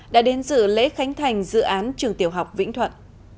đã đến dự lễ khánh thành dự án trường tiểu học vĩnh thuận